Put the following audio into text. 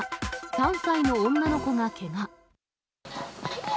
３歳の女の子がけが。